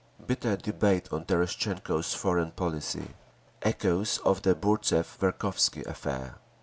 Bitter debate on Terestchenko's foreign policy. Echoes of the Burtzev Verkhovski affair.